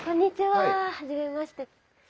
はじめまして。